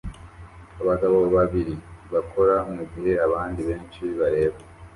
Abagabo babiri bakora mugihe abandi benshi bareba